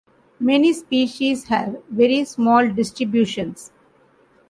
Many species have very small distributions.